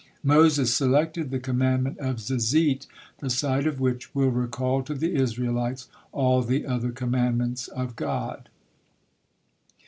Moses selected the commandment of Zizit, the sight of which will recall to the Israelites all the other commandments of God.